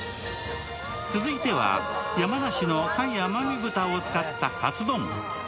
続いては、山梨の甲斐甘み豚を使ったかつ丼。